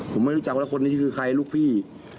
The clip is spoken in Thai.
ผมไม่รู้จักว่าคนนี้คือใครลูกพี่